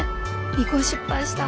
尾行失敗した。